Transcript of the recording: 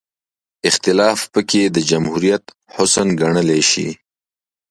اختلاف پکې د جمهوریت حسن ګڼلی شي.